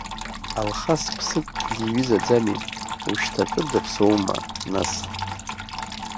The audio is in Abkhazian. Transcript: Алхас ԥсык диҩызаӡами, ушьҭа акыр даԥсоума, нас?